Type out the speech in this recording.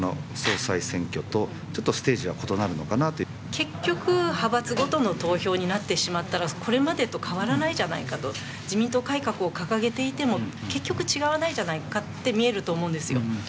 結局派閥ごとの投票になってしまったらこれまでと変わらないじゃないかと、自民党改革を掲げていても、結局違わないじゃないかと見えると思うんですよ。